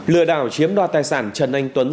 lừa đảo chiếm đo tài sản trần anh tuấn